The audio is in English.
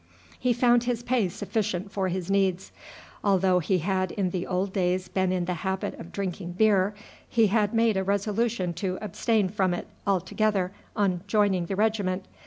He found his pay sufficient for his needs. Although he had in the old days been in the habit of drinking beer, he had made a resolution to abstain from it altogether on joining the regiment.